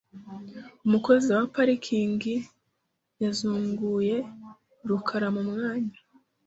Umukozi wa parikingi yazunguye rukara mu mwanya .